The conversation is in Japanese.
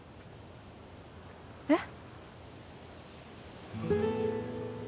えっ？